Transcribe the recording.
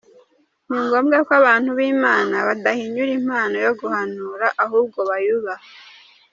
Ni ngombwa ko abantu b’Imana badahinyura impano yo Guhanura ahubwo bayubaha.